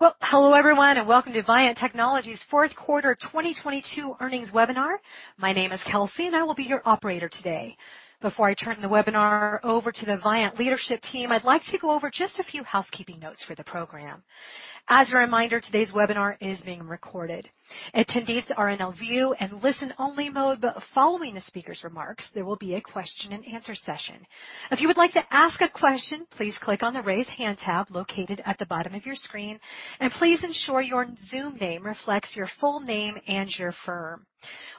Well, hello, everyone, and welcome to Viant Technology's fourth quarter 2022 earnings webinar. My name is Kelsey, and I will be your operator today. Before I turn the webinar over to the Viant leadership team, I'd like to go over just a few housekeeping notes for the program. As a reminder, today's webinar is being recorded. Attendees are in a view and listen-only mode, but following the speaker's remarks, there will be a question-and-answer session. If you would like to ask a question, please click on the Raise Hand tab located at the bottom of your screen, and please ensure your Zoom name reflects your full name and your firm.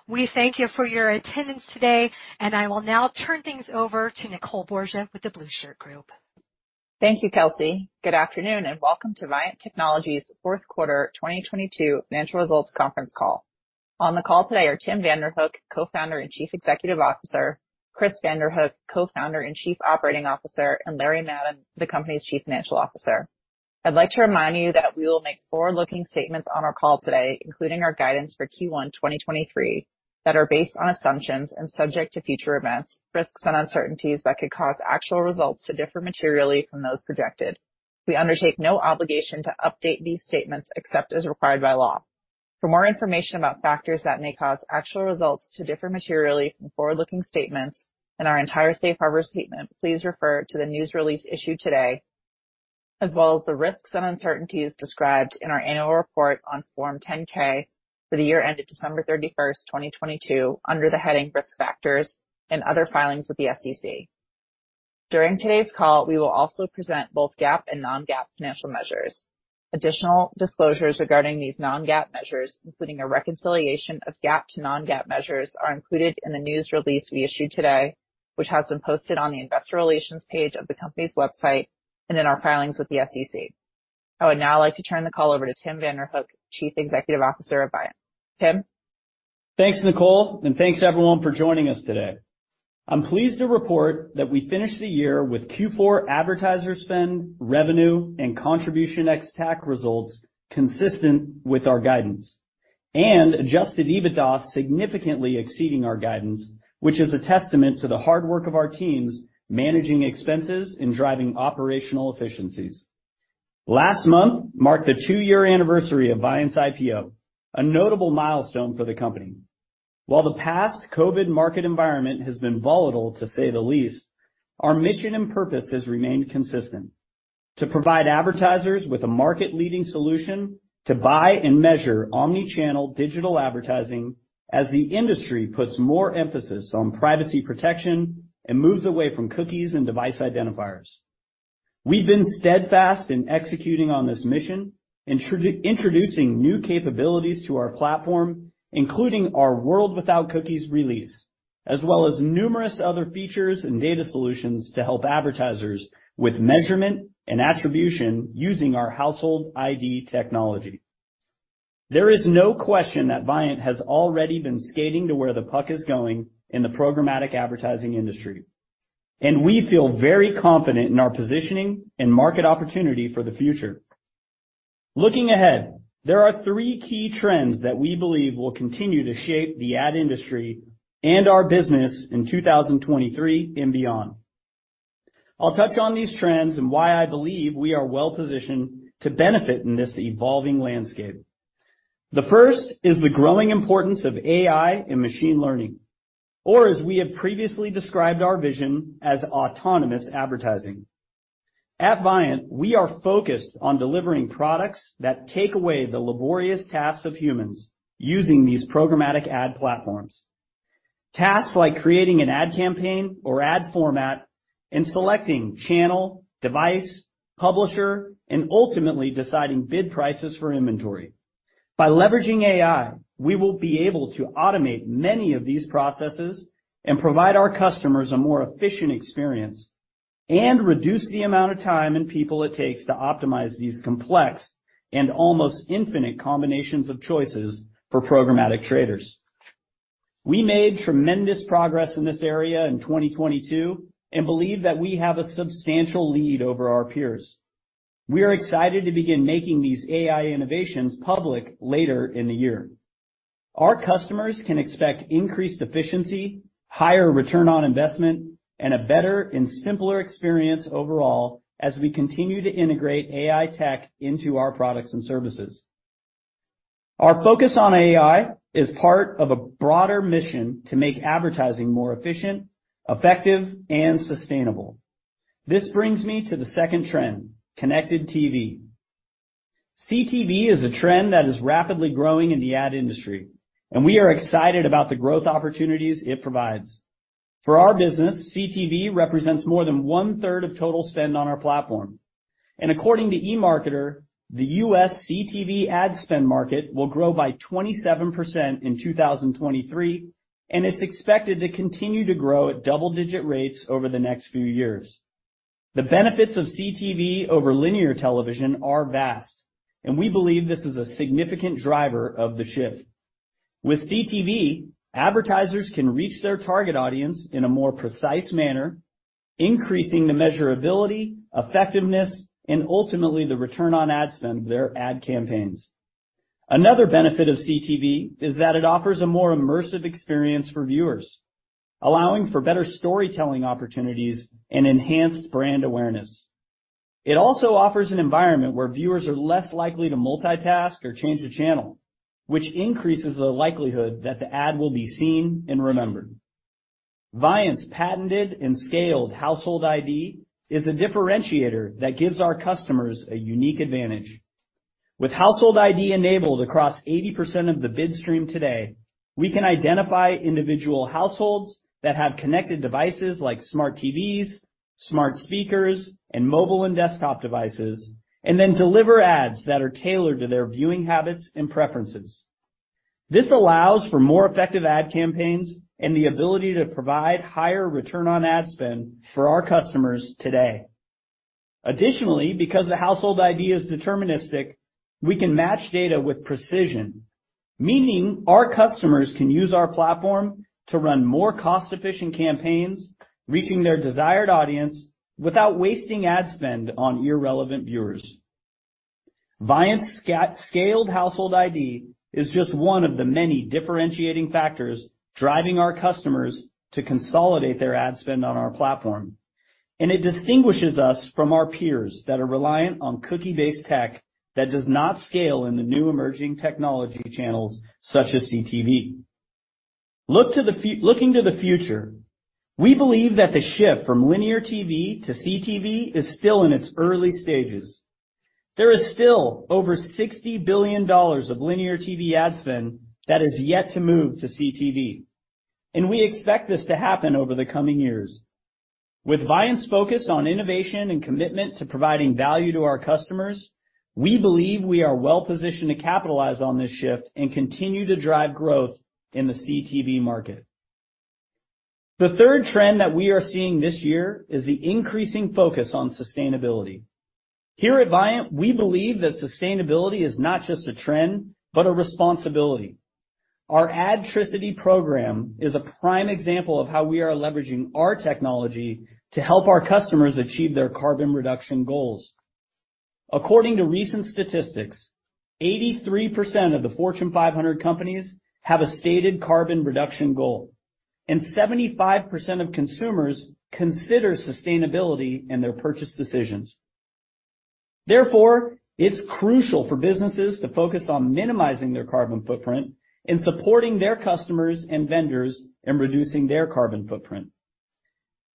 We thank you for your attendance today, and I will now turn things over to Nicole Borgia with The Blueshirt Group. Thank you, Kelsey. Good afternoon. Welcome to Viant Technology's fourth quarter 2022 financial results conference call. On the call today are Tim Vanderhook, Co-Founder and Chief Executive Officer, Chris Vanderhook, Co-Founder and Chief Operating Officer, and Larry Madden, the company's Chief Financial Officer. I'd like to remind you that we will make forward-looking statements on our call today, including our guidance for Q1 2023, that are based on assumptions and subject to future events, risks, and uncertainties that could cause actual results to differ materially from those projected. We undertake no obligation to update these statements except as required by law. For more information about factors that may cause actual results to differ materially from forward-looking statements and our entire safe harbor statement, please refer to the news release issued today, as well as the risks and uncertainties described in our annual report on Form 10-K for the year ended December 31st, 2022, under the heading Risk Factors and other filings with the SEC. During today's call, we will also present both GAAP and non-GAAP financial measures. Additional disclosures regarding these non-GAAP measures, including a reconciliation of GAAP to non-GAAP measures, are included in the news release we issued today, which has been posted on the investor relations page of the company's website and in our filings with the SEC. I would now like to turn the call over to Tim Vanderhook, Chief Executive Officer of Viant. Tim? Thanks, Nicole, and thanks everyone for joining us today. I'm pleased to report that we finished the year with Q4 advertiser spend, revenue, and contribution ex-TAC results consistent with our guidance and adjusted EBITDA significantly exceeding our guidance, which is a testament to the hard work of our teams managing expenses and driving operational efficiencies. Last month marked the two-year anniversary of Viant's IPO, a notable milestone for the company. While the past COVID market environment has been volatile, to say the least, our mission and purpose has remained consistent: To provide advertisers with a market-leading solution to buy and measure omni-channel digital advertising as the industry puts more emphasis on privacy protection and moves away from cookies and device identifiers. We've been steadfast in executing on this mission, introducing new capabilities to our platform, including our World Without Cookies release, as well as numerous other features and data solutions to help advertisers with measurement and attribution using our Household ID technology. There is no question that Viant has already been skating to where the puck is going in the programmatic advertising industry, and we feel very confident in our positioning and market opportunity for the future. Looking ahead, there are three key trends that we believe will continue to shape the ad industry and our business in 2023 and beyond. I'll touch on these trends and why I believe we are well-positioned to benefit in this evolving landscape. The first is the growing importance of AI and machine learning, or as we have previously described our vision, as autonomous advertising. At Viant, we are focused on delivering products that take away the laborious tasks of humans using these programmatic ad platforms. Tasks like creating an ad campaign or ad format and selecting channel, device, publisher, and ultimately deciding bid prices for inventory. By leveraging AI, we will be able to automate many of these processes and provide our customers a more efficient experience and reduce the amount of time and people it takes to optimize these complex and almost infinite combinations of choices for programmatic traders. We made tremendous progress in this area in 2022 and believe that we have a substantial lead over our peers. We are excited to begin making these AI innovations public later in the year. Our customers can expect increased efficiency, higher return on investment, and a better and simpler experience overall as we continue to integrate AI tech into our products and services. Our focus on AI is part of a broader mission to make advertising more efficient, effective, and sustainable. This brings me to the second trend, connected TV. CTV is a trend that is rapidly growing in the ad industry, and we are excited about the growth opportunities it provides. For our business, CTV represents more than one-third of total spend on our platform. According to eMarketer, the U.S. CTV ad spend market will grow by 27% in 2023, and it's expected to continue to grow at double-digit rates over the next few years. The benefits of CTV over linear television are vast, and we believe this is a significant driver of the shift. With CTV, advertisers can reach their target audience in a more precise manner, increasing the measurability, effectiveness, and ultimately the return on ad spend their ad campaigns. Another benefit of CTV is that it offers a more immersive experience for viewers, allowing for better storytelling opportunities and enhanced brand awareness. It also offers an environment where viewers are less likely to multitask or change the channel, which increases the likelihood that the ad will be seen and remembered. Viant's patented and scaled Household ID is a differentiator that gives our customers a unique advantage. With Household ID enabled across 80% of the bid stream today, we can identify individual households that have connected devices like smart TVs, smart speakers, and mobile and desktop devices, and then deliver ads that are tailored to their viewing habits and preferences. This allows for more effective ad campaigns and the ability to provide higher return on ad spend for our customers today. Additionally, because the Household ID is deterministic, we can match data with precision, meaning our customers can use our platform to run more cost-efficient campaigns, reaching their desired audience without wasting ad spend on irrelevant viewers. Viant's scaled Household ID is just one of the many differentiating factors driving our customers to consolidate their ad spend on our platform, and it distinguishes us from our peers that are reliant on cookie-based tech that does not scale in the new emerging technology channels such as CTV. Looking to the future, we believe that the shift from linear TV to CTV is still in its early stages. There is still over $60 billion of linear TV ad spend that is yet to move to CTV. We expect this to happen over the coming years. With Viant's focus on innovation and commitment to providing value to our customers, we believe we are well-positioned to capitalize on this shift and continue to drive growth in the CTV market. The third trend that we are seeing this year is the increasing focus on sustainability. Here at Viant, we believe that sustainability is not just a trend, but a responsibility. Our Adtricity program is a prime example of how we are leveraging our technology to help our customers achieve their carbon reduction goals. According to recent statistics, 83% of the Fortune 500 companies have a stated carbon reduction goal, and 75% of consumers consider sustainability in their purchase decisions. It's crucial for businesses to focus on minimizing their carbon footprint and supporting their customers and vendors in reducing their carbon footprint.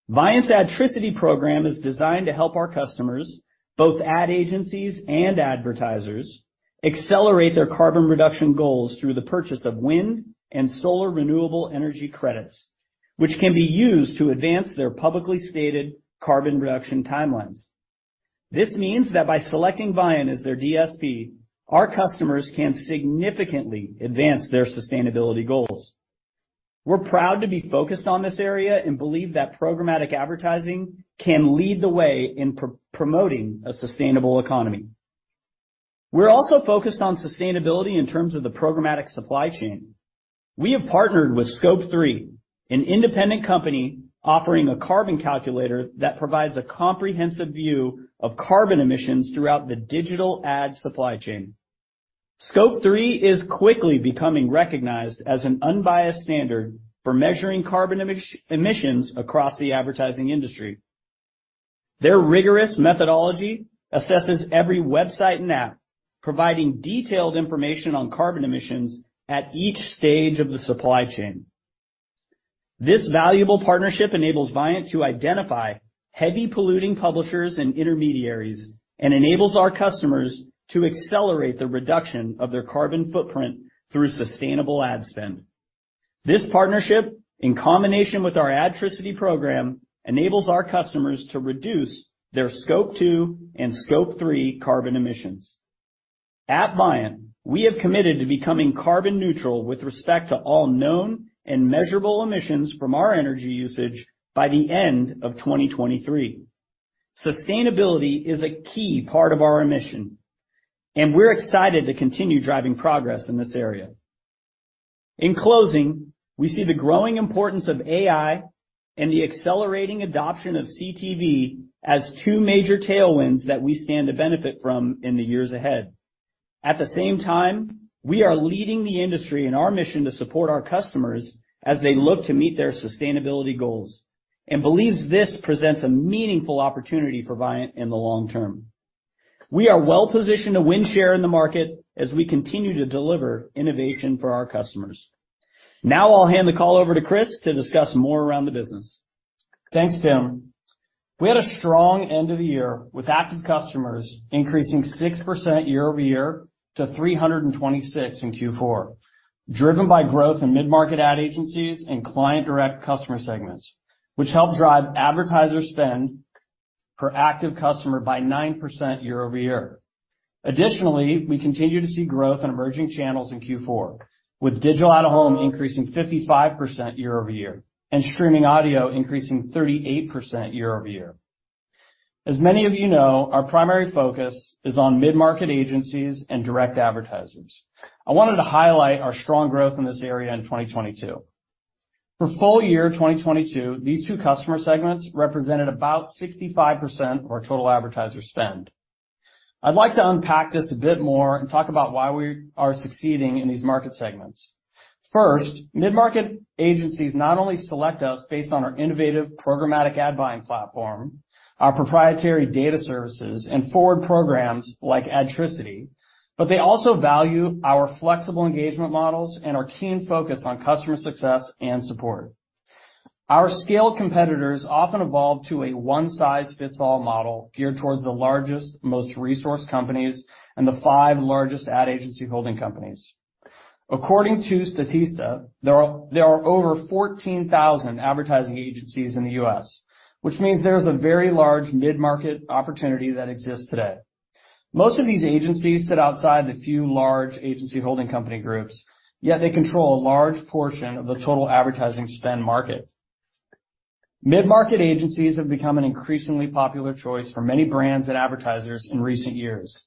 Viant's Adtricity program is designed to help our customers, both ad agencies and advertisers, accelerate their carbon reduction goals through the purchase of wind and solar renewable energy credits, which can be used to advance their publicly stated carbon reduction timelines. This means that by selecting Viant as their DSP, our customers can significantly advance their sustainability goals. We're proud to be focused on this area and believe that programmatic advertising can lead the way in promoting a sustainable economy. We're also focused on sustainability in terms of the programmatic supply chain. We have partnered with Scope3, an independent company offering a carbon calculator that provides a comprehensive view of carbon emissions throughout the digital ad supply chain. Scope3 is quickly becoming recognized as an unbiased standard for measuring carbon emissions across the advertising industry. Their rigorous methodology assesses every website and app, providing detailed information on carbon emissions at each stage of the supply chain. This valuable partnership enables Viant to identify heavy-polluting publishers and intermediaries and enables our customers to accelerate the reduction of their carbon footprint through sustainable ad spend. This partnership, in combination with our Adtricity program, enables our customers to reduce their Scope 2 and Scope 3 carbon emissions. At Viant, we have committed to becoming carbon neutral with respect to all known and measurable emissions from our energy usage by the end of 2023. Sustainability is a key part of our emission, and we're excited to continue driving progress in this area. In closing, we see the growing importance of AI and the accelerating adoption of CTV as two major tailwinds that we stand to benefit from in the years ahead. At the same time, we are leading the industry in our mission to support our customers as they look to meet their sustainability goals, and believes this presents a meaningful opportunity for Viant in the long term. We are well-positioned to win share in the market as we continue to deliver innovation for our customers. Now I'll hand the call over to Chris to discuss more around the business. Thanks, Tim. We had a strong end of the year with active customers increasing 6% year-over-year to 326% in Q4, driven by growth in mid-market ad agencies and client direct customer segments, which helped drive advertiser spend per active customer by 9% year-over-year. Additionally, we continue to see growth in emerging channels in Q4, with digital out-of-home increasing 55% year-over-year and streaming audio increasing 38% year-over-year. As many of you know, our primary focus is on mid-market agencies and direct advertisers. I wanted to highlight our strong growth in this area in 2022. For full year 2022, these two customer segments represented about 65% of our total advertiser spend. I'd like to unpack this a bit more and talk about why we are succeeding in these market segments. First, mid-market agencies not only select us based on our innovative programmatic ad buying platform, our proprietary data services, and forward programs like Adtricity, but they also value our flexible engagement models and our keen focus on customer success and support. Our scaled competitors often evolve to a one-size-fits-all model geared towards the largest, most resourced companies and the five largest ad agency holding companies. According to Statista, there are over 14,000 advertising agencies in the U.S., which means there's a very large mid-market opportunity that exists today. Most of these agencies sit outside the few large agency holding company groups, yet they control a large portion of the total advertising spend market. Mid-market agencies have become an increasingly popular choice for many brands and advertisers in recent years.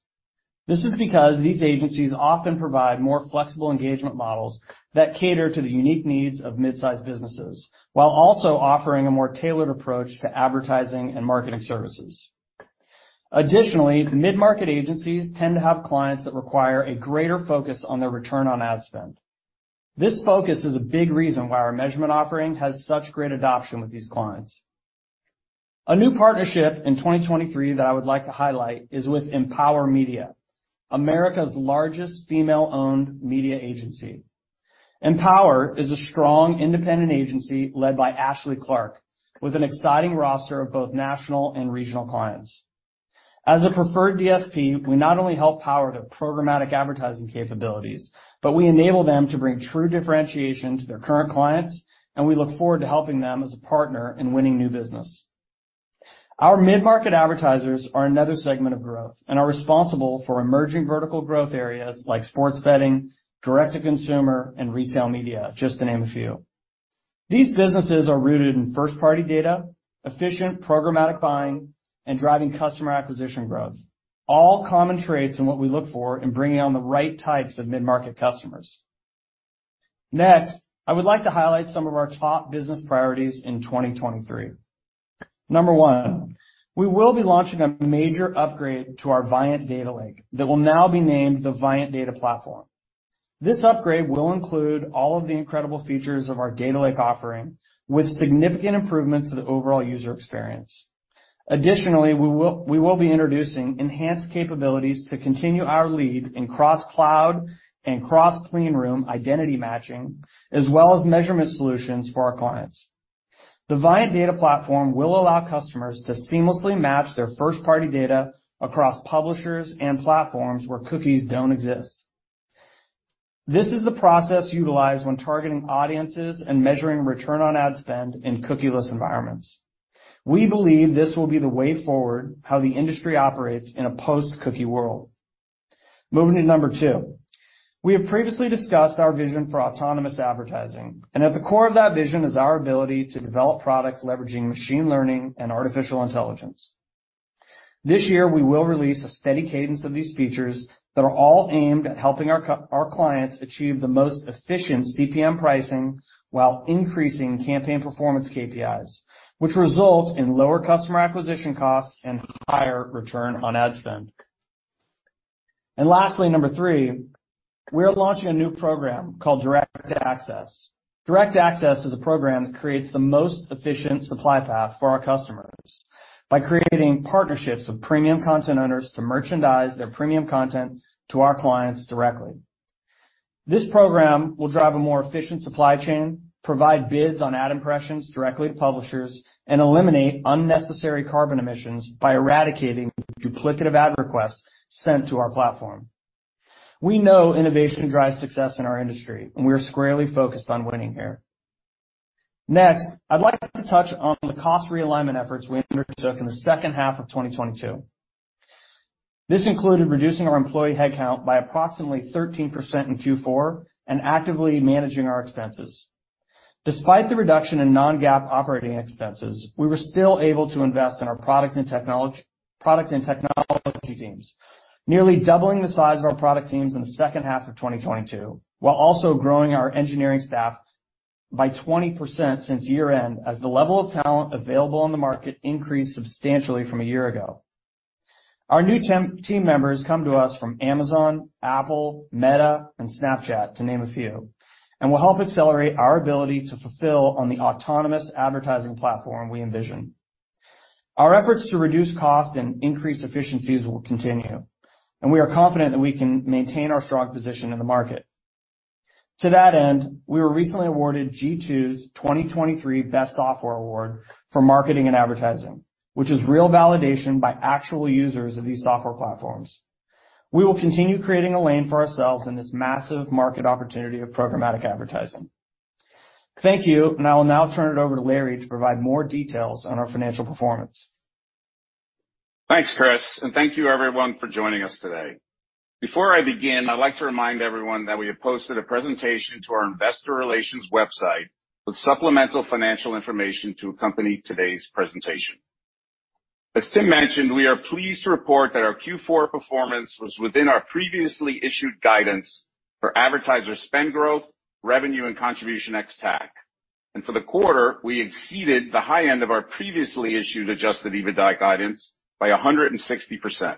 This is because these agencies often provide more flexible engagement models that cater to the unique needs of midsize businesses, while also offering a more tailored approach to advertising and marketing services. Additionally, mid-market agencies tend to have clients that require a greater focus on their return on ad spend. This focus is a big reason why our measurement offering has such great adoption with these clients. A new partnership in 2023 that I would like to highlight is with Empower Media, America's largest woman-owned media agency. Empower is a strong independent agency led by Ashlee Clarke, with an exciting roster of both national and regional clients. As a preferred DSP, we not only help power their programmatic advertising capabilities, but we enable them to bring true differentiation to their current clients. We look forward to helping them as a partner in winning new business. Our mid-market advertisers are another segment of growth and are responsible for emerging vertical growth areas like sports betting, direct-to-consumer, and retail media, just to name a few. These businesses are rooted in first-party data, efficient programmatic buying, and driving customer acquisition growth. All common traits in what we look for in bringing on the right types of mid-market customers. Next, I would like to highlight some of our top business priorities in 2023. Number one, we will be launching a major upgrade to our Viant Data Lake that will now be named the Viant Data Platform. This upgrade will include all of the incredible features of our Viant Data Lake offering with significant improvements to the overall user experience. Additionally, we will be introducing enhanced capabilities to continue our lead in cross-cloud and cross-clean room identity matching, as well as measurement solutions for our clients. The Viant Data Platform will allow customers to seamlessly match their first-party data across publishers and platforms where cookies don't exist. This is the process utilized when targeting audiences and measuring return on ad spend in cookieless environments. We believe this will be the way forward, how the industry operates in a post-cookie world. Moving to number two. We have previously discussed our vision for autonomous advertising, and at the core of that vision is our ability to develop products leveraging machine learning and artificial intelligence. This year, we will release a steady cadence of these features that are all aimed at helping our clients achieve the most efficient CPM pricing while increasing campaign performance KPIs, which result in lower customer acquisition costs and higher return on ad spend. Lastly, number three, we are launching a new program called Direct Access. Direct Access is a program that creates the most efficient supply path for our customers by creating partnerships with premium content owners to merchandise their premium content to our clients directly. This program will drive a more efficient supply chain, provide bids on ad impressions directly to publishers, and eliminate unnecessary carbon emissions by eradicating duplicative ad requests sent to our platform. We know innovation drives success in our industry. We are squarely focused on winning here. Next, I'd like to touch on the cost realignment efforts we undertook in the second half of 2022. This included reducing our employee headcount by approximately 13% in Q4 and actively managing our expenses. Despite the reduction in non-GAAP operating expenses, we were still able to invest in our product and technology teams, nearly doubling the size of our product teams in the second half of 2022, while also growing our engineering staff by 20% since year-end as the level of talent available on the market increased substantially from a year ago. Our new team members come to us from Amazon, Apple, Meta, and Snapchat, to name a few, and will help accelerate our ability to fulfill on the autonomous advertising platform we envision. Our efforts to reduce costs and increase efficiencies will continue, and we are confident that we can maintain our strong position in the market. To that end, we were recently awarded G2's 2023 Best Software Award for marketing and advertising, which is real validation by actual users of these software platforms. We will continue creating a lane for ourselves in this massive market opportunity of programmatic advertising. Thank you. I will now turn it over to Larry to provide more details on our financial performance. Thanks, Chris, thank you everyone for joining us today. Before I begin, I'd like to remind everyone that we have posted a presentation to our investor relations website with supplemental financial information to accompany today's presentation. As Tim mentioned, we are pleased to report that our Q4 performance was within our previously issued guidance for advertiser spend growth, revenue, and contribution ex-TAC. For the quarter, we exceeded the high end of our previously issued adjusted EBITDA guidance by 160%.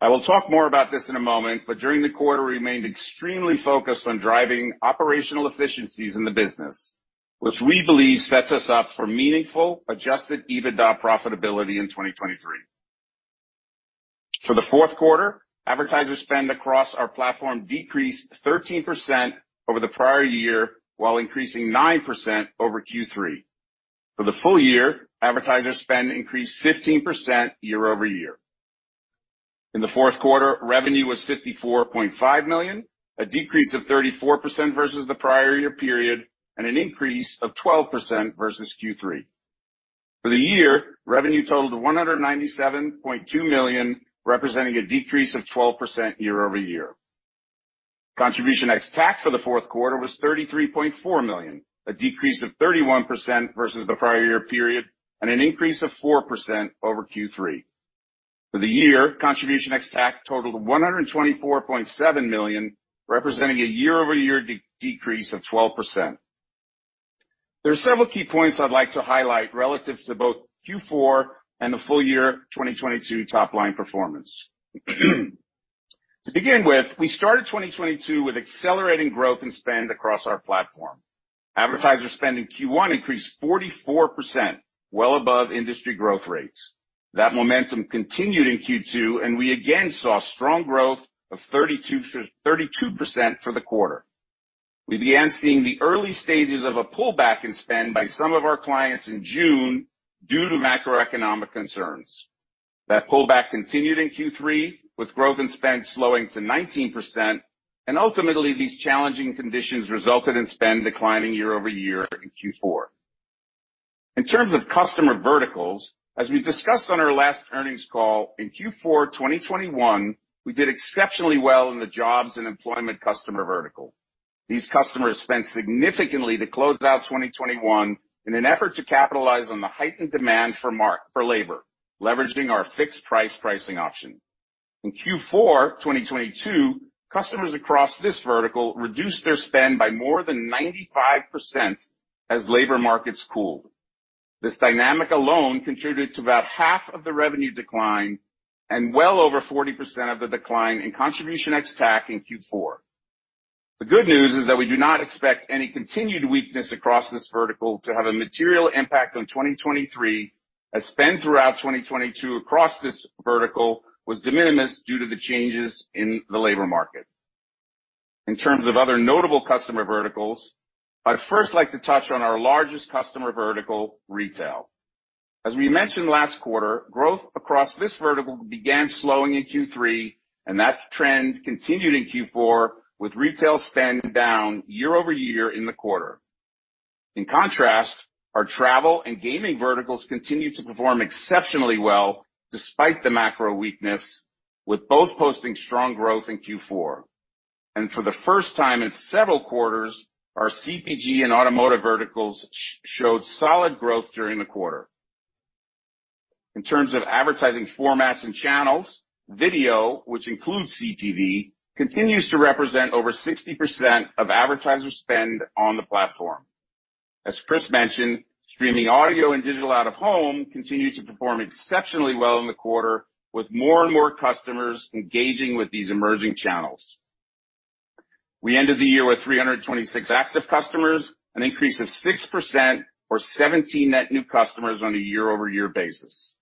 I will talk more about this in a moment, during the quarter, we remained extremely focused on driving operational efficiencies in the business, which we believe sets us up for meaningful adjusted EBITDA profitability in 2023. For the fourth quarter, advertiser spend across our platform decreased 13% over the prior year while increasing 9% over Q3. For the full year, advertiser spend increased 15% year-over-year. In the fourth quarter, revenue was $54.5 million, a decrease of 34% versus the prior year period, and an increase of 12% versus Q3. For the year, revenue totaled $197.2 million, representing a decrease of 12% year-over-year. Contribution ex-TAC for the fourth quarter was $33.4 million, a decrease of 31% versus the prior year period, and an increase of 4% over Q3. For the year, contribution ex-TAC totaled $124.7 million, representing a year-over-year decrease of 12%. There are several key points I'd like to highlight relative to both Q4 and the full year 2022 top line performance. To begin with, we started 2022 with accelerating growth and spend across our platform. Advertiser spend in Q1 increased 44%, well above industry growth rates. That momentum continued in Q2, we again saw strong growth of 32% for the quarter. We began seeing the early stages of a pullback in spend by some of our clients in June due to macroeconomic concerns. That pullback continued in Q3 with growth and spend slowing to 19%, ultimately, these challenging conditions resulted in spend declining year-over-year in Q4. In terms of customer verticals, as we discussed on our last earnings call, in Q4 2021, we did exceptionally well in the jobs and employment customer vertical. These customers spent significantly to close out 2021 in an effort to capitalize on the heightened demand for labor, leveraging our fixed price pricing option. In Q4 2022, customers across this vertical reduced their spend by more than 95% as labor markets cooled. This dynamic alone contributed to about half of the revenue decline and well over 40% of the decline in contribution ex-TAC in Q4. The good news is that we do not expect any continued weakness across this vertical to have a material impact on 2023 as spend throughout 2022 across this vertical was de minimis due to the changes in the labor market. In terms of other notable customer verticals, I'd first like to touch on our largest customer vertical, retail. As we mentioned last quarter, growth across this vertical began slowing in Q3, and that trend continued in Q4 with retail spend down year-over-year in the quarter. In contrast, our travel and gaming verticals continued to perform exceptionally well despite the macro weakness with both posting strong growth in Q4. For the first time in several quarters, our CPG and automotive verticals showed solid growth during the quarter. In terms of advertising formats and channels, video, which includes CTV, continues to represent over 60% of advertiser spend on the platform. As Chris mentioned, streaming audio and digital out-of-home continued to perform exceptionally well in the quarter with more and more customers engaging with these emerging channels. We ended the year with 326 active customers, an increase of 6% or 17 net new customers on a year-over-year basis.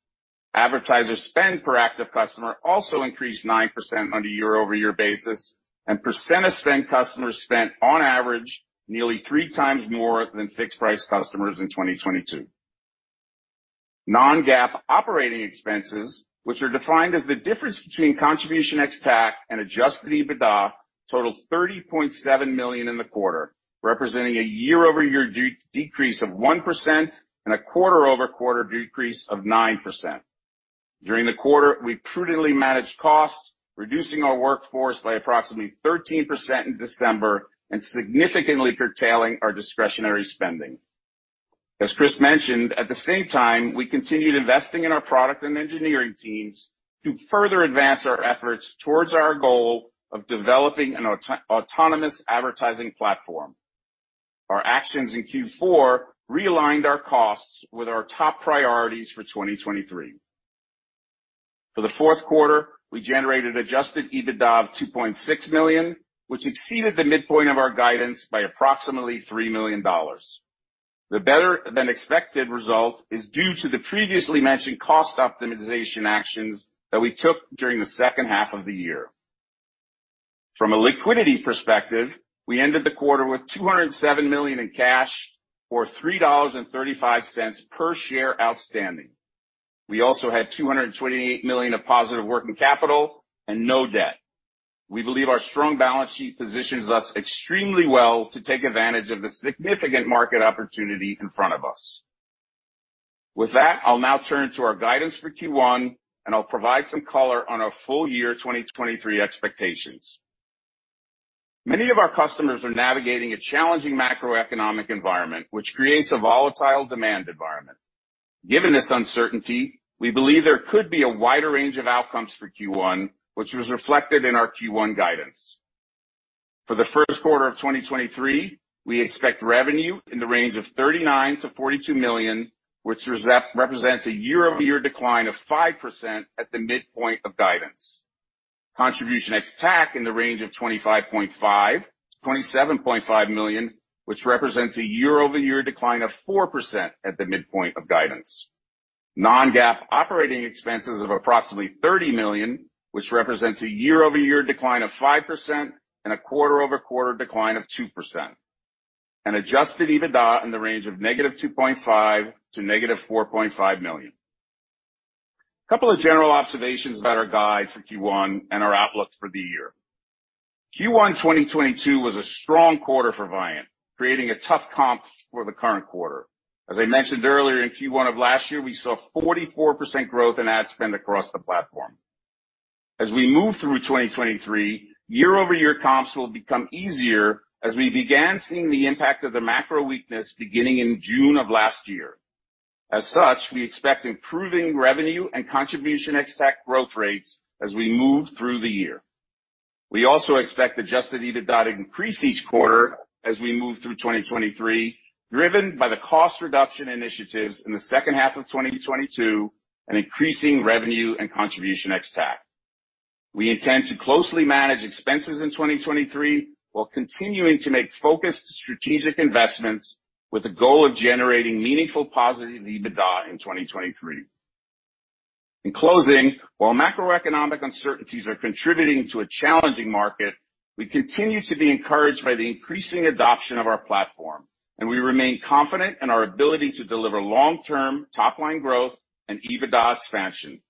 Advertiser spend per active customer also increased 9% on a year-over-year basis. Percent of spend customers spent on average nearly 3x more than fixed price customers in 2022. Non-GAAP operating expenses, which are defined as the difference between contribution ex-TAC and adjusted EBITDA, totaled $30.7 million in the quarter, representing a year-over-year decrease of 1% and a quarter-over-quarter decrease of 9%. During the quarter, we prudently managed costs, reducing our workforce by approximately 13% in December and significantly curtailing our discretionary spending. As Chris mentioned, at the same time, we continued investing in our product and engineering teams to further advance our efforts towards our goal of developing an autonomous advertising platform. Our actions in Q4 realigned our costs with our top priorities for 2023. For the fourth quarter, we generated adjusted EBITDA of $2.6 million, which exceeded the midpoint of our guidance by approximately $3 million. The better than expected result is due to the previously mentioned cost optimization actions that we took during the second half of the year. From a liquidity perspective, we ended the quarter with $207 million in cash or $3.35 per share outstanding. We also had $228 million of positive working capital and no debt. We believe our strong balance sheet positions us extremely well to take advantage of the significant market opportunity in front of us. With that, I'll now turn to our guidance for Q1, and I'll provide some color on our full year 2023 expectations. Many of our customers are navigating a challenging macroeconomic environment, which creates a volatile demand environment. Given this uncertainty, we believe there could be a wider range of outcomes for Q1, which was reflected in our Q1 guidance. For the first quarter of 2023, we expect revenue in the range of $39 million-$42 million, which represents a year-over-year decline of 5% at the midpoint of guidance. Contribution ex-TAC in the range of $25.5 million-$27.5 million, which represents a year-over-year decline of 4% at the midpoint of guidance. Non-GAAP operating expenses of approximately $30 million, which represents a year-over-year decline of 5% and a quarter-over-quarter decline of 2%. Adjusted EBITDA in the range of negative $2.5 million to negative $4.5 million. A couple of general observations about our guide for Q1 and our outlook for the year. Q1 2022 was a strong quarter for Viant, creating a tough comp for the current quarter. As I mentioned earlier, in Q1 of last year, we saw 44% growth in ad spend across the platform. As we move through 2023, year-over-year comps will become easier as we began seeing the impact of the macro weakness beginning in June of last year. We expect improving revenue and contribution ex-TAC growth rates as we move through the year. We also expect adjusted EBITDA to increase each quarter as we move through 2023, driven by the cost reduction initiatives in the second half of 2022 and increasing revenue and contribution ex-TAC. We intend to closely manage expenses in 2023 while continuing to make focused strategic investments with the goal of generating meaningful positive EBITDA in 2023. In closing, while macroeconomic uncertainties are contributing to a challenging market, we continue to be encouraged by the increasing adoption of our platform, and we remain confident in our ability to deliver long-term top line growth and EBITDA expansion.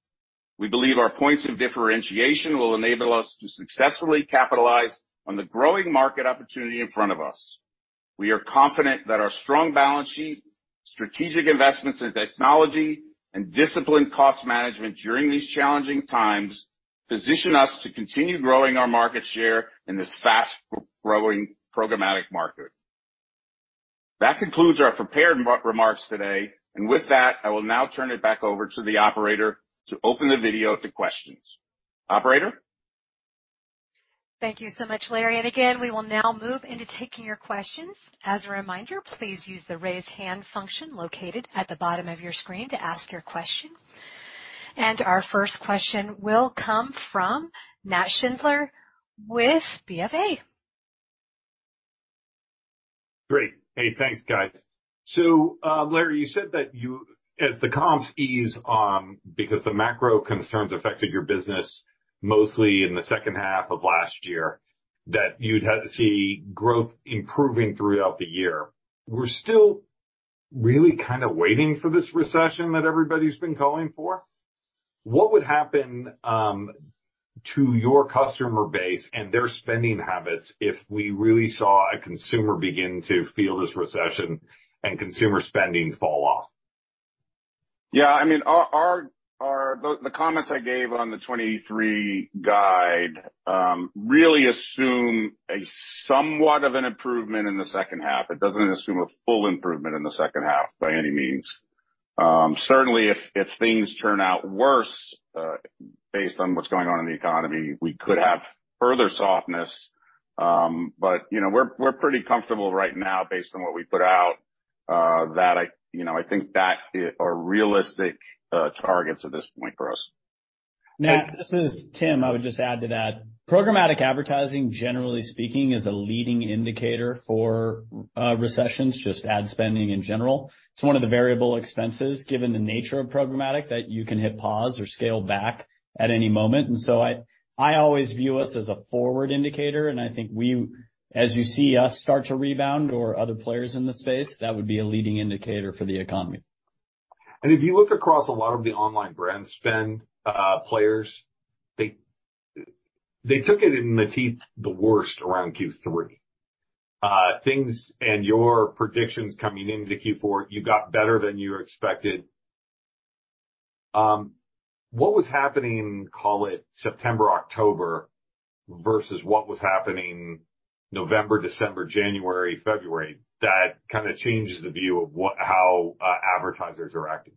We believe our points of differentiation will enable us to successfully capitalize on the growing market opportunity in front of us. We are confident that our strong balance sheet, strategic investments in technology, and disciplined cost management during these challenging times position us to continue growing our market share in this fast-growing programmatic market. That concludes our prepared remarks today. With that, I will now turn it back over to the operator to open the video to questions. Operator? Thank you so much, Larry. Again, we will now move into taking your questions. As a reminder, please use the raise hand function located at the bottom of your screen to ask your question. Our first question will come from Nat Schindler with BofA. Great. Hey, thanks, guys. Larry, you said that as the comps ease on because the macro concerns affected your business mostly in the second half of last year, that you'd have to see growth improving throughout the year. We're still really kinda waiting for this recession that everybody's been calling for. What would happen to your customer base and their spending habits if we really saw a consumer begin to feel this recession and consumer spending fall off? I mean, our the comments I gave on the 23 guide really assume a somewhat of an improvement in the second half. It doesn't assume a full improvement in the second half by any means. Certainly if things turn out worse based on what's going on in the economy, we could have further softness. You know, we're pretty comfortable right now based on what we put out that I think that are realistic targets at this point for us. Nat, this is Tim. I would just add to that. Programmatic advertising, generally speaking, is a leading indicator for recessions, just ad spending in general. It's one of the variable expenses given the nature of programmatic that you can hit pause or scale back at any moment. I always view us as a forward indicator, and I think we, as you see us start to rebound or other players in the space, that would be a leading indicator for the economy. If you look across a lot of the online brand spend, players, they took it in the teeth the worst around Q3. Things and your predictions coming into Q4, you got better than you expected. What was happening, call it September, October, versus what was happening November, December, January, February, that kinda changes the view of how advertisers are acting?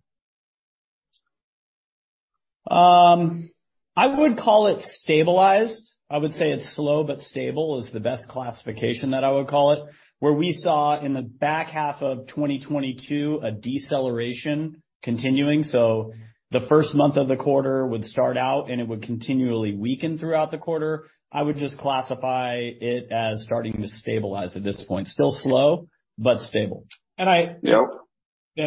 I would call it stabilized. I would say it's slow but stable is the best classification that I would call it. Where we saw in the back half of 2022 a deceleration continuing. The first month of the quarter would start out, and it would continually weaken throughout the quarter. I would just classify it as starting to stabilize at this point. Still slow, but stable. And I- Yep.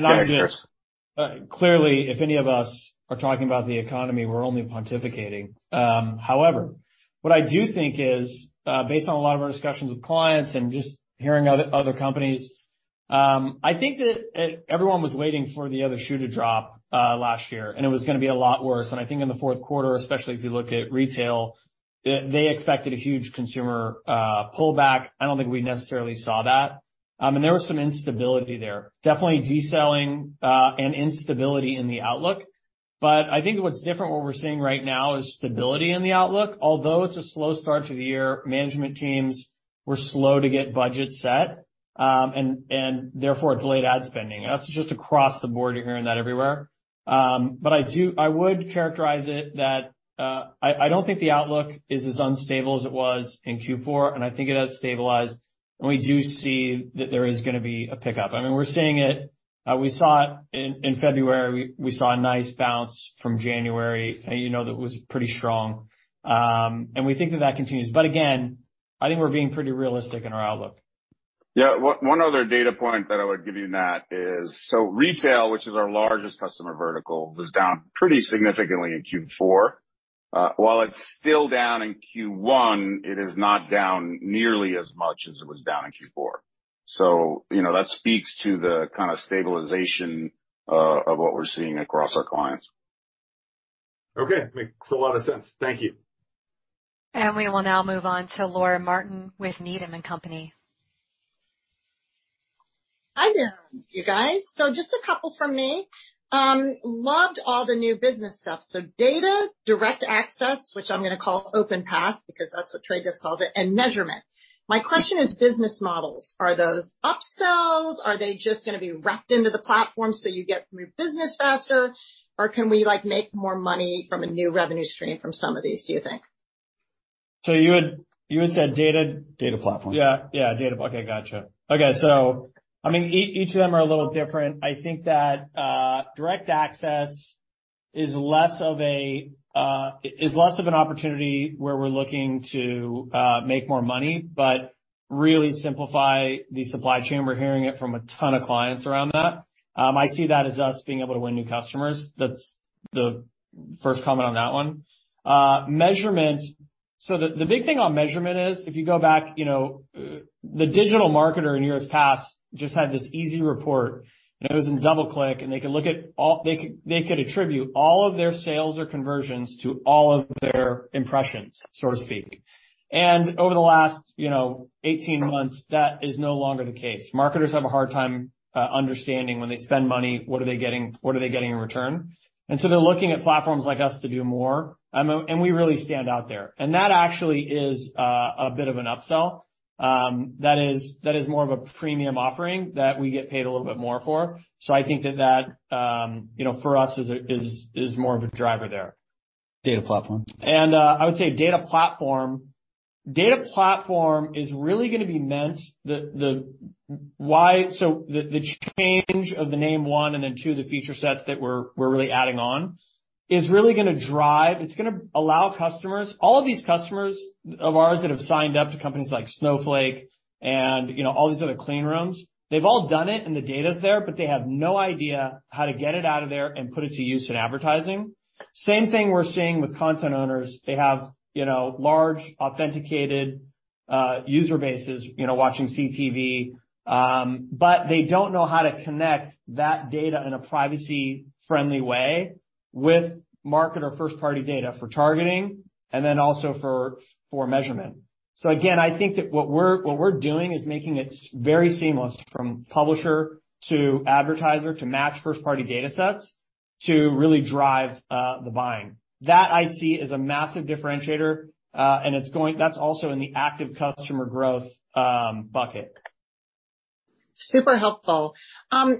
I'm just-. Go ahead, Chris. Clearly, if any of us are talking about the economy, we're only pontificating. However, what I do think is, based on a lot of our discussions with clients and just hearing other companies, I think that everyone was waiting for the other shoe to drop, last year, and it was gonna be a lot worse. I think in the fourth quarter, especially if you look at retail, they expected a huge consumer pullback. I don't think we necessarily saw that. There was some instability there. Definitely de-selling, and instability in the outlook. I think what's different, what we're seeing right now is stability in the outlook. Although it's a slow start to the year, management teams were slow to get budgets set, and therefore delayed ad spending. That's just across the board. You're hearing that everywhere. I would characterize it that I don't think the outlook is as unstable as it was in Q4, and I think it has stabilized, and we do see that there is gonna be a pickup. I mean, we're seeing it. We saw it in February. We saw a nice bounce from January, and you know that was pretty strong. And we think that that continues. Again, I think we're being pretty realistic in our outlook. Yeah. One other data point that I would give you, Nat, is retail, which is our largest customer vertical, was down pretty significantly in Q4. While it's still down in Q1, it is not down nearly as much as it was down in Q4. You know, that speaks to the kinda stabilization of what we're seeing across our clients. Okay. Makes a lot of sense. Thank you. We will now move on to Laura Martin with Needham & Company. Hi there, you guys. Just a couple from me. Loved all the new business stuff. Data, Direct Access, which I'm gonna call OpenPath because that's what The Trade Desk calls it, and measurement. My question is business models. Are those upsells? Are they just gonna be wrapped into the platform so you get new business faster? Can we, like, make more money from a new revenue stream from some of these, do you think? You had said. Data Platform. Yeah. Yeah, data. Okay, gotcha. I mean, each of them are a little different. I think that Direct Access is less of an opportunity where we're looking to make more money, but really simplify the supply chain. We're hearing it from a ton of clients around that. I see that as us being able to win new customers. That's the first comment on that one. Measurement, so the big thing on measurement is if you go back, you know, the digital marketer in years past just had this easy report, and it was in DoubleClick, and they could look at all they could attribute all of their sales or conversions to all of their impressions, so to speak. Over the last, you know, 18 months, that is no longer the case. Marketers have a hard time understanding when they spend money, what are they getting, what are they getting in return. They're looking at platforms like us to do more, and we really stand out there. That actually is a bit of an upsell that is more of a premium offering that we get paid a little bit more for. I think that that, you know, for us is a, is more of a driver there. Data Platform. I would say Data Platform. The change of the name, one, and then two, the feature sets that we're really adding on. It's gonna allow customers, all of these customers of ours that have signed up to companies like Snowflake and, you know, all these other clean rooms, they've all done it and the data's there, but they have no idea how to get it out of there and put it to use in advertising. Same thing we're seeing with content owners. They have, you know, large authenticated user bases, you know, watching CTV, but they don't know how to connect that data in a privacy-friendly way with market or first-party data for targeting and then also for measurement. Again, I think that what we're doing is making it very seamless from publisher to advertiser to match first-party data sets to really drive the buying. That I see as a massive differentiator. That's also in the active customer growth bucket. Super helpful. One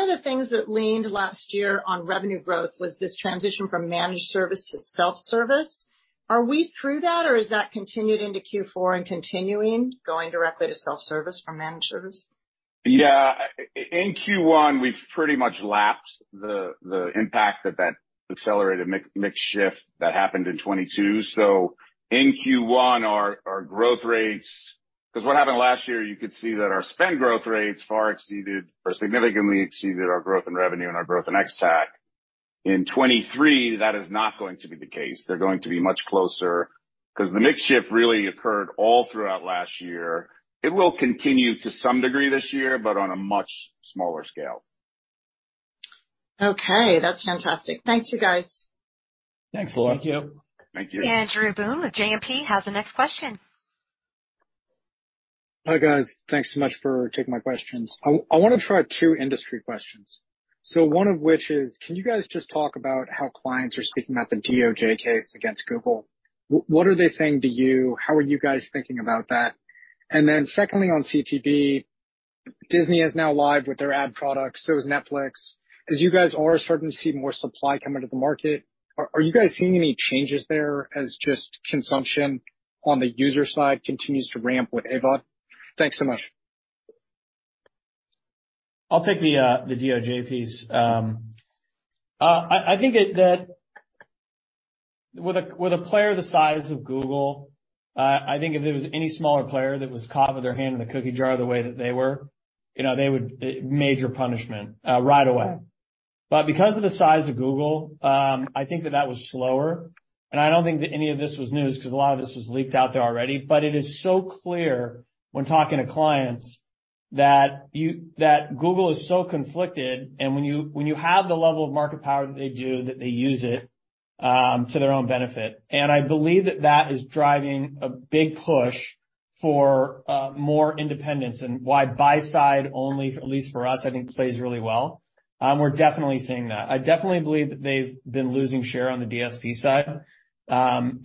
of the things that leaned last year on revenue growth was this transition from managed service to self-service. Are we through that, or has that continued into Q4 and continuing, going directly to self-service from managed service? Yeah. In Q1, we've pretty much lapsed the impact that accelerated mix shift that happened in 2022. In Q1, our growth rates... 'Cause what happened last year, you could see that our spend growth rates far exceeded or significantly exceeded our growth in revenue and our growth in XTAC. In 2023, that is not going to be the case. They're going to be much closer 'cause the mix shift really occurred all throughout last year. It will continue to some degree this year, but on a much smaller scale. Okay. That's fantastic. Thanks, you guys. Thanks, Laura. Thank you. Andrew Boone of JMP has the next question. Hi, guys. Thanks so much for taking my questions. I wanna try two industry questions. One of which is, can you guys just talk about how clients are speaking about the DOJ case against Google? What are they saying to you? How are you guys thinking about that? Secondly, on CTV, Disney is now live with their ad products, so is Netflix. As you guys are starting to see more supply come into the market, are you guys seeing any changes there as just consumption on the user side continues to ramp with AVOD? Thanks so much. I'll take the DOJ piece. I think that with a player the size of Google, I think if it was any smaller player that was caught with their hand in the cookie jar the way that they were, you know, they would, major punishment right away. Because of the size of Google, I think that that was slower, and I don't think that any of this was news 'cause a lot of this was leaked out there already. It is so clear when talking to clients that Google is so conflicted, and when you have the level of market power that they do, that they use it. To their own benefit. I believe that that is driving a big push for more independence and why buy side only, at least for us, I think plays really well. We're definitely seeing that. I definitely believe that they've been losing share on the DSP side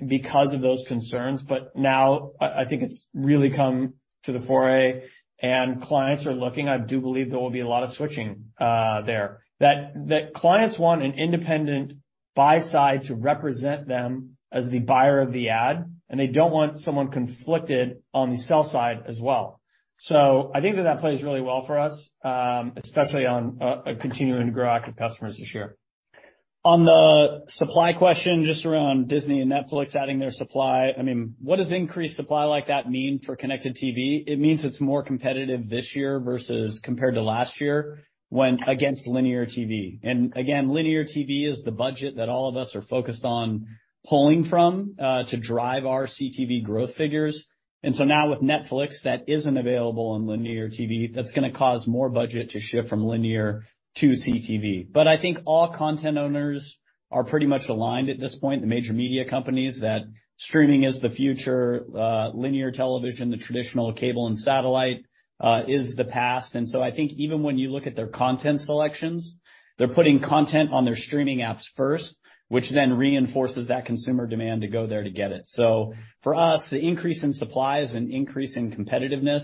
because of those concerns. Now I think it's really come to the foray and clients are looking. I do believe there will be a lot of switching there, that clients want an independent buy side to represent them as the buyer of the ad, and they don't want someone conflicted on the sell side as well. I think that that plays really well for us, especially on a continuing to grow our customers this year. On the supply question, just around Disney and Netflix adding their supply. I mean, what does increased supply like that mean for connected TV? It means it's more competitive this year versus compared to last year when against linear TV. linear TV is the budget that all of us are focused on pulling from, to drive our CTV growth figures. Now with Netflix, that isn't available on linear TV, that's gonna cause more budget to shift from linear to CTV. I think all content owners are pretty much aligned at this point. The major media companies that streaming is the future. Linear television, the traditional cable and satellite, is the past. I think even when you look at their content selections, they're putting content on their streaming apps first, which then reinforces that consumer demand to go there to get it. For us, the increase in supply is an increase in competitiveness.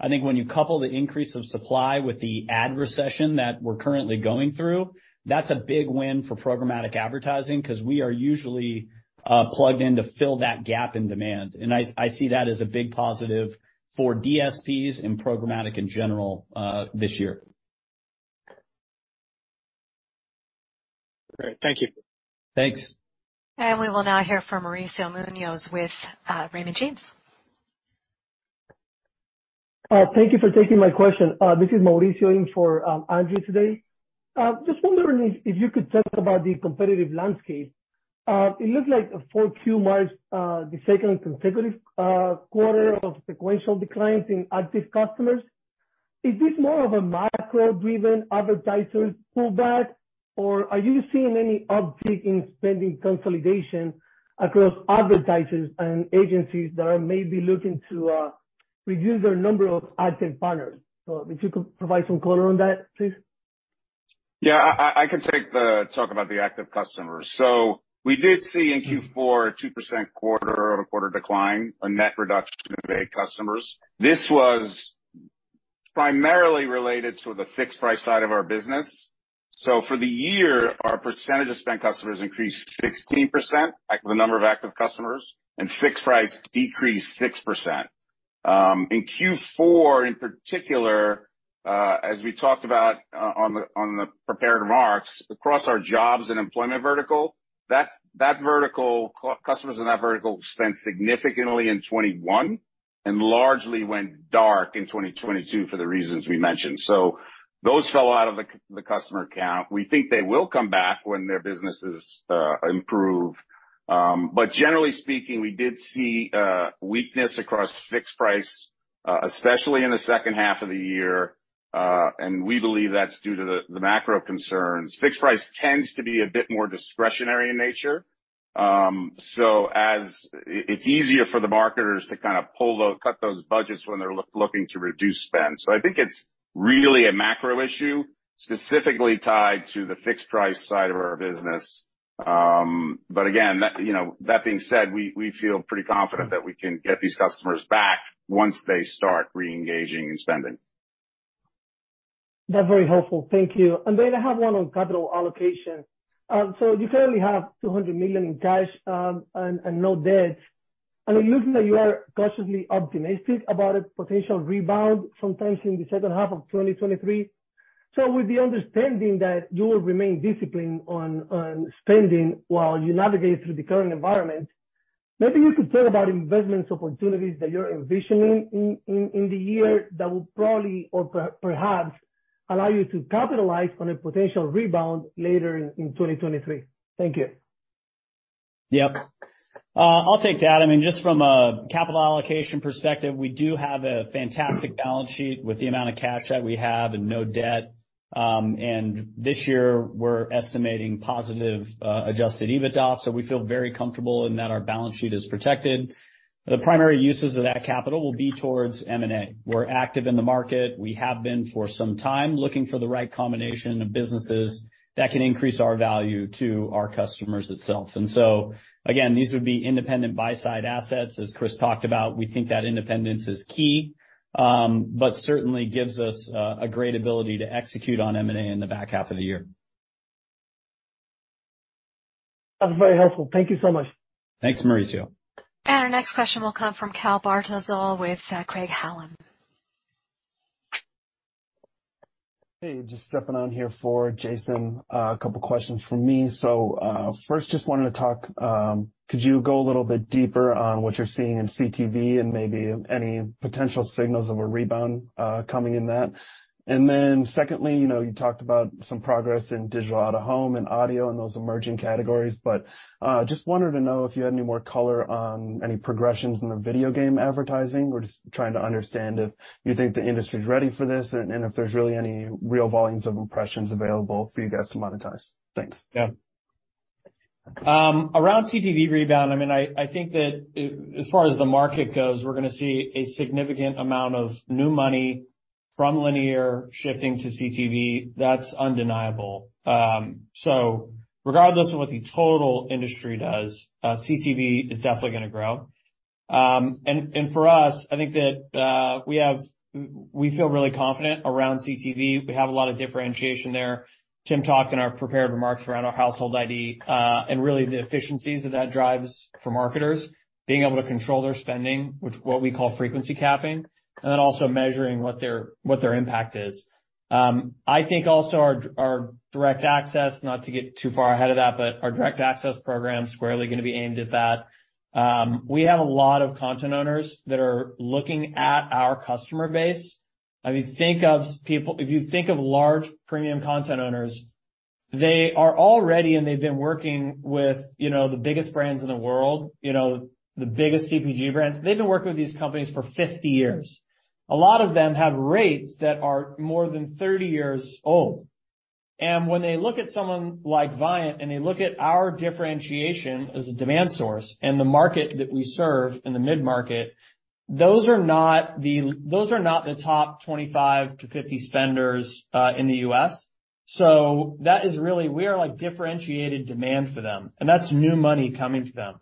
I think when you couple the increase of supply with the ad recession that we're currently going through, that's a big win for programmatic advertising 'cause we are usually plugged in to fill that gap in demand. I see that as a big positive for DSPs and programmatic in general, this year. Great. Thank you. Thanks. We will now hear from Mauricio Munoz with Raymond James. Thank you for taking my question. This is Mauricio in for Andrew today. Just wondering if you could talk about the competitive landscape. It looks like for Q1, the second consecutive quarter of sequential declines in active customers. Is this more of a macro-driven advertiser pullback, or are you seeing any uptick in spending consolidation across advertisers and agencies that are maybe looking to reduce their number of ad tech partners? If you could provide some color on that, please. I can take the talk about the active customers. We did see in Q4 a 2% quarter-over-quarter decline, a net reduction of eight customers. This was primarily related to the fixed price side of our business. For the year, our percentage of spent customers increased 16%, like the number of active customers, and fixed price decreased 6%. In Q4, in particular, as we talked about on the prepared remarks, across our jobs and employment vertical, that vertical customers in that vertical spent significantly in 2021 and largely went dark in 2022 for the reasons we mentioned. Those fell out of the customer count. We think they will come back when their businesses improve. Generally speaking, we did see weakness across fixed price, especially in the second half of the year. We believe that's due to the macro concerns. Fixed price tends to be a bit more discretionary in nature. As it's easier for the marketers to kind of cut those budgets when they're looking to reduce spend. I think it's really a macro issue, specifically tied to the fixed price side of our business. Again, that, you know, that being said, we feel pretty confident that we can get these customers back once they start re-engaging in spending. That's very helpful. Thank you. I have one on capital allocation. You currently have $200 million in cash, and no debt. It looks like you are cautiously optimistic about a potential rebound sometimes in the second half of 2023. With the understanding that you will remain disciplined on spending while you navigate through the current environment, maybe you could talk about investments opportunities that you're envisioning in the year that will probably perhaps allow you to capitalize on a potential rebound later in 2023. Thank you. Yep. I'll take that. I mean, just from a capital allocation perspective, we do have a fantastic balance sheet with the amount of cash that we have and no debt. This year we're estimating positive adjusted EBITDA, so we feel very comfortable in that our balance sheet is protected. The primary uses of that capital will be towards M&A. We're active in the market. We have been for some time looking for the right combination of businesses that can increase our value to our customers itself. Again, these would be independent buy side assets as Chris talked about. We think that independence is key. Certainly gives us a great ability to execute on M&A in the back half of the year. That was very helpful. Thank you so much. Thanks, Mauricio. Our next question will come from Cal Bartyzal with Craig-Hallum. Hey, just stepping on here for Jason. A couple questions from me. First, just wanted to talk, could you go a little bit deeper on what you're seeing in CTV and maybe any potential signals of a rebound coming in that? Secondly, you know, you talked about some progress in digital out-of-home and audio and those emerging categories, just wanted to know if you had any more color on any progressions in the video game advertising. We're just trying to understand if you think the industry's ready for this and if there's really any real volumes of impressions available for you guys to monetize. Thanks. Around CTV rebound, I mean, I think that as far as the market goes, we're gonna see a significant amount of new money from linear shifting to CTV. That's undeniable. Regardless of what the total industry does, CTV is definitely gonna grow. For us, I think that we feel really confident around CTV. We have a lot of differentiation there. Tim talked in our prepared remarks around our Household ID, and really the efficiencies that that drives for marketers, being able to control their spending, which what we call frequency capping, and then also measuring what their impact is. I think also our Direct Access, not to get too far ahead of that, but our Direct Access program is squarely gonna be aimed at that. We have a lot of content owners that are looking at our customer base. I mean, if you think of large premium content owners, they are already, and they've been working with, you know, the biggest brands in the world, you know, the biggest CPG brands. They've been working with these companies for 50 years. A lot of them have rates that are more than 30 years old. When they look at someone like Viant, and they look at our differentiation as a demand source and the market that we serve in the mid-market, those are not the top 25-50 spenders in the U.S. That is really, we are like differentiated demand for them, and that's new money coming to them.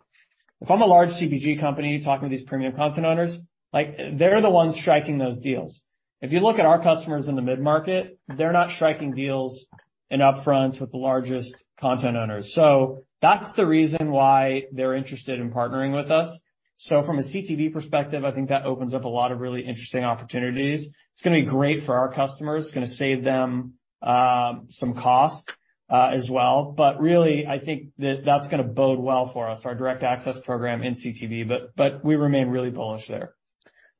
If I'm a large CPG company talking to these premium content owners, like they're the ones striking those deals. If you look at our customers in the mid-market, they're not striking deals and upfront with the largest content owners. That's the reason why they're interested in partnering with us. From a CTV perspective, I think that opens up a lot of really interesting opportunities. It's gonna be great for our customers. It's gonna save them some cost as well. Really, I think that that's gonna bode well for us, our Direct Access program in CTV, but we remain really bullish there.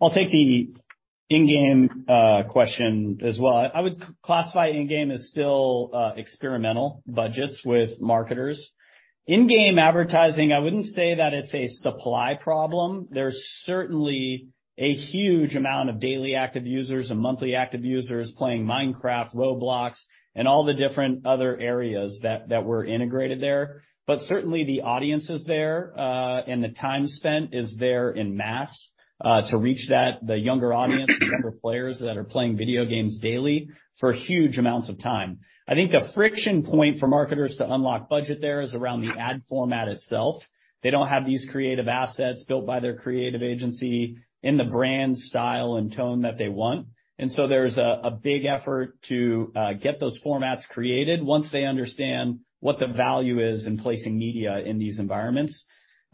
I'll take the in-game question as well. I would classify in-game as still experimental budgets with marketers. In-game advertising, I wouldn't say that it's a supply problem. There's certainly a huge amount of daily active users and monthly active users playing Minecraft, Roblox, and all the different other areas that were integrated there. Certainly, the audience is there, and the time spent is there in mass, to reach that, the younger audience, the younger players that are playing video games daily for huge amounts of time. I think the friction point for marketers to unlock budget there is around the ad format itself. They don't have these creative assets built by their creative agency in the brand style and tone that they want. There's a big effort to get those formats created once they understand what the value is in placing media in these environments.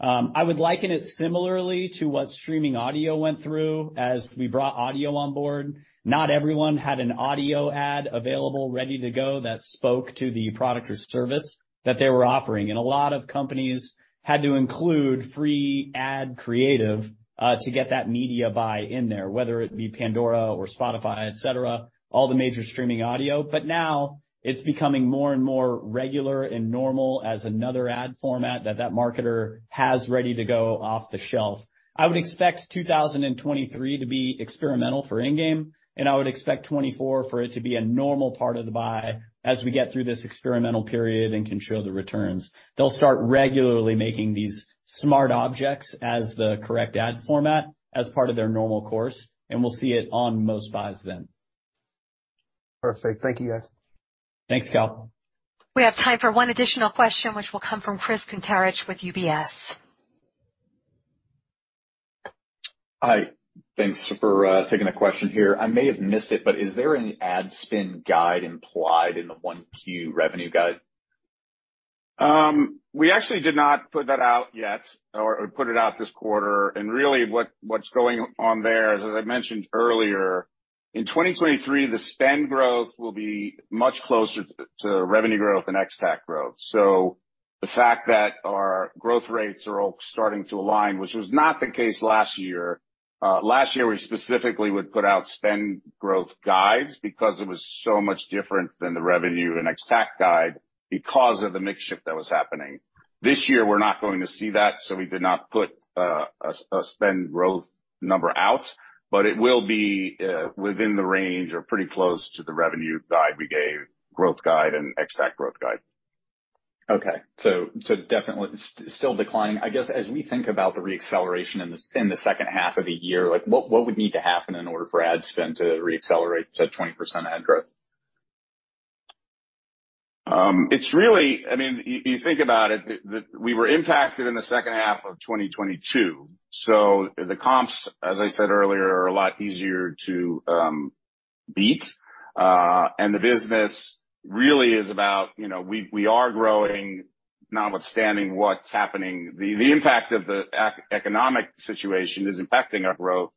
I would liken it similarly to what streaming audio went through as we brought audio on board. Not everyone had an audio ad available ready to go that spoke to the product or service that they were offering. A lot of companies had to include free ad creative to get that media buy in there, whether it be Pandora or Spotify, et cetera, all the major streaming audio. Now it's becoming more and more regular and normal as another ad format that that marketer has ready to go off the shelf. I would expect 2023 to be experimental for in-game, and I would expect 2024 for it to be a normal part of the buy as we get through this experimental period and can show the returns. They'll start regularly making these smart TVs as the correct ad format as part of their normal course, and we'll see it on most buys then. Perfect. Thank you, guys. Thanks, Cal. We have time for one additional question, which will come from Chris Kuntarich with UBS. Hi. Thanks for taking the question here. I may have missed it, is there any ad spend guide implied in the 1Q revenue guide? We actually did not put that out yet or put it out this quarter. Really what's going on there is, as I mentioned earlier, in 2023, the spend growth will be much closer to revenue growth and XTAC growth. The fact that our growth rates are all starting to align, which was not the case last year. Last year, we specifically would put out spend growth guides because it was so much different than the revenue and XTAC guide because of the mix shift that was happening. This year we're not going to see that, we did not put a spend growth number out, but it will be within the range or pretty close to the revenue guide we gave, growth guide and XTAC growth guide. Definitely still declining. I guess as we think about the reacceleration in the second half of the year, like what would need to happen in order for ad spend to reaccelerate to 20% ad growth? It's really... I mean, you think about it, we were impacted in the second half of 2022, so the comps, as I said earlier, are a lot easier to beat. The business really is about, you know, we are growing notwithstanding what's happening. The impact of the economic situation is impacting our growth,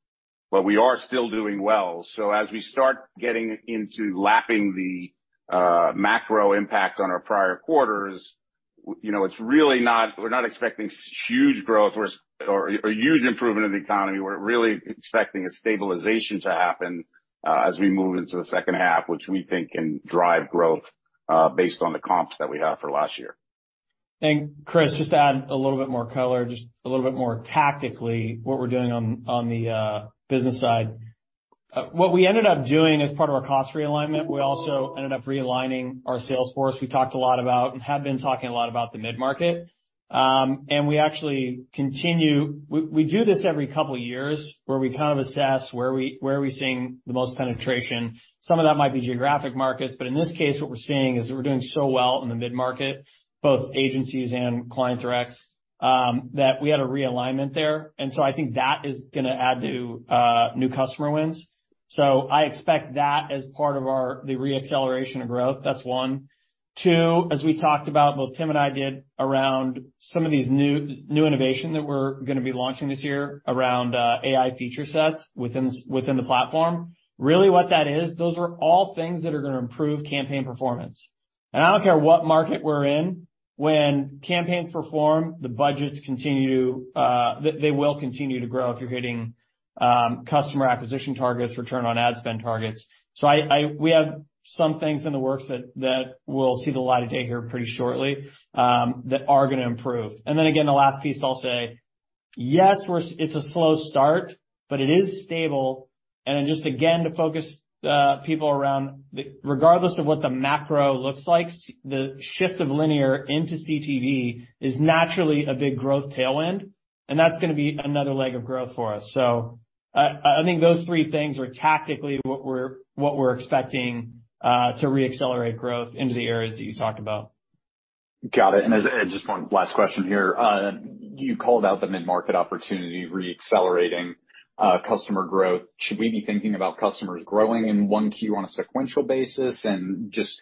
but we are still doing well. As we start getting into lapping the macro impact on our prior quarters, you know, we're not expecting huge growth or a huge improvement in the economy. We're really expecting a stabilization to happen as we move into the second half, which we think can drive growth based on the comps that we have for last year. Chris, just to add a little bit more color, just a little bit more tactically what we're doing on the business side. What we ended up doing as part of our cost realignment, we also ended up realigning our sales force. We talked a lot about, and have been talking a lot about the mid-market. We actually do this every couple years where we kind of assess where we are seeing the most penetration. Some of that might be geographic markets, but in this case, what we're seeing is that we're doing so well in the mid-market, both agencies and client directs, that we had a realignment there. I think that is gonna add to new customer wins. I expect that as part of the re-acceleration of growth. That's one. Two, as we talked about, both Tim and I did, around some of these new innovation that we're gonna be launching this year around AI feature sets within the platform. Really what that is, those are all things that are gonna improve campaign performance. I don't care what market we're in, when campaigns perform, the budgets continue to, they will continue to grow if you're hitting customer acquisition targets, return on ad spend targets. We have some things in the works that will see the light of day here pretty shortly that are gonna improve. Again, the last piece I'll say, yes, we're it's a slow start, but it is stable. Just again to focus people around the... Regardless of what the macro looks like, the shift of linear into CTV is naturally a big growth tailwind, that's gonna be another leg of growth for us. I think those three things are tactically what we're, what we're expecting to re-accelerate growth into the areas that you talked about. Got it. Just one last question here. You called out the mid-market opportunity re-accelerating customer growth. Should we be thinking about customers growing in 1Q on a sequential basis? Just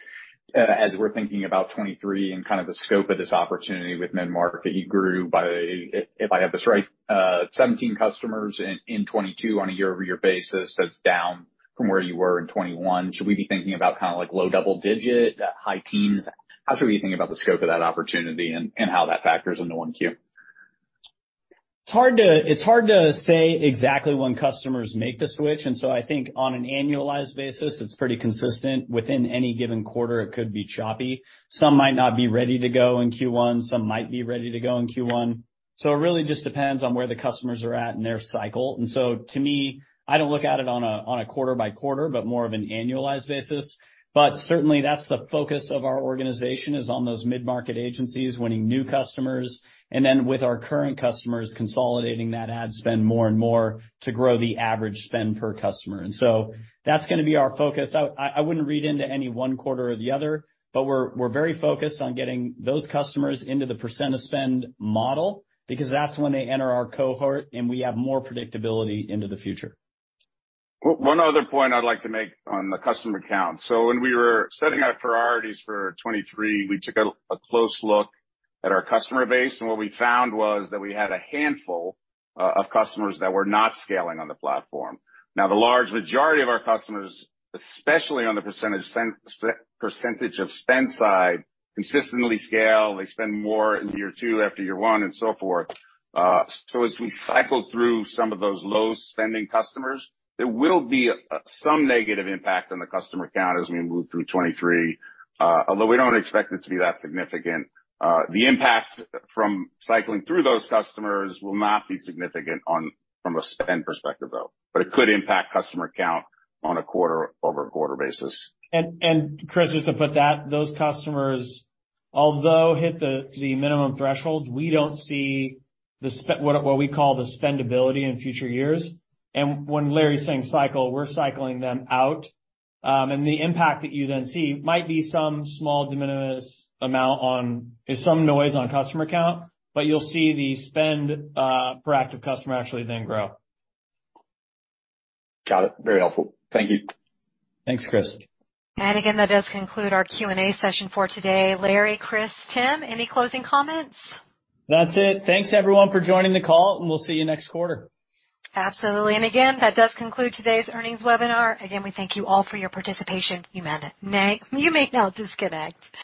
as we're thinking about 2023 and kind of the scope of this opportunity with mid-market, you grew by, if I have this right, 17 customers in 2022 on a year-over-year basis. That's down from where you were in 2021. Should we be thinking about kinda like low double-digit, high teens? How should we think about the scope of that opportunity and how that factors into one Q? It's hard to say exactly when customers make the switch. I think on an annualized basis, it's pretty consistent. Within any given quarter it could be choppy. Some might not be ready to go in Q1, some might be ready to go in Q1. It really just depends on where the customers are at in their cycle. To me, I don't look at it on a quarter by quarter, but more of an annualized basis. Certainly, that's the focus of our organization, is on those mid-market agencies, winning new customers, and then with our current customers, consolidating that ad spend more and more to grow the average spend per customer. That's gonna be our focus. I wouldn't read into any one quarter or the other, but we're very focused on getting those customers into the percent of spend model, because that's when they enter our cohort and we have more predictability into the future. One other point I'd like to make on the customer count. When we were setting our priorities for 2023, we took a close look at our customer base, and what we found was that we had a handful of customers that were not scaling on the platform. The large majority of our customers, especially on the percentage of spend side, consistently scale. They spend more in year two after year one, and so forth. As we cycle through some of those low-spending customers, there will be some negative impact on the customer count as we move through 2023, although we don't expect it to be that significant. The impact from cycling through those customers will not be significant from a spend perspective, though. It could impact customer count on a quarter-over-quarter basis. Chris, just to put that, those customers, although hit the minimum thresholds, we don't see what we call the spendability in future years. When Larry's saying cycle, we're cycling them out. The impact that you then see might be some small de minimis amount on some noise on customer count, but you'll see the spend per active customer actually then grow. Got it. Very helpful. Thank you. Thanks, Chris. Again, that does conclude our Q&A session for today. Larry, Chris, Tim, any closing comments? That's it. Thanks, everyone, for joining the call, and we'll see you next quarter. Absolutely. Again, that does conclude today's earnings webinar. Again, we thank you all for your participation. You may now disconnect.